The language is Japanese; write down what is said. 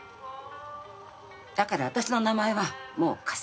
だから私の名前はもう貸せない。